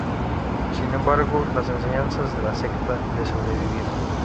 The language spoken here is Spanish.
Sin embargo, las enseñanzas de la secta les sobrevivieron.